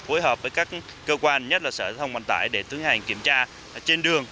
phối hợp với các cơ quan nhất là sở thông vận tải để tiến hành kiểm tra trên đường